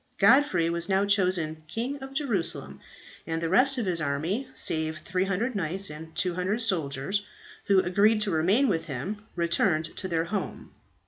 Godfrey was now chosen King of Jerusalem, and the rest of his army save 300 knights and 200 soldiers, who agreed to remain with him returned to their home.